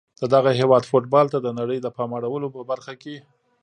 د دغه هیواد فوتبال ته د نړۍ د پام اړولو په برخه کې